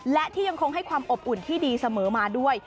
และที่ยังคงให้ความอบอุ่นที่ดีเสมอมาด้วย